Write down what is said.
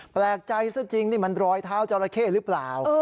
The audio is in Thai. แปลกใจซะจริงนี่มันรอยเท้าจราเข้หรือเปล่า